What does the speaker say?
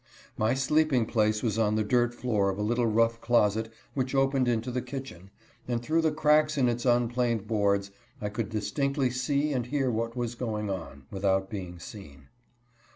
My sleeping place was on the dirt floor of a little rough closet which opened into the kitchen, and through the cracks in its unplaned boards I could dis tinctly see and hear what was going on, without being seen.